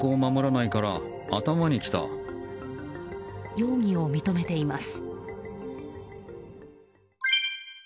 容疑を認めています。